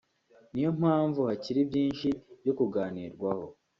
niyo mpamvu hakiri byinshi byo kuganirwaho